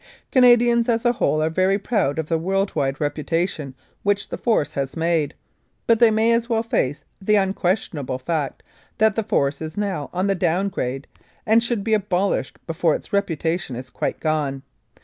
Canadians as a whole are very proud of the world wide reputation which the Force has made, but they may as well face the unquestionable fact that the Force is now on the down grade and should be abolished before its reputation is quite gone.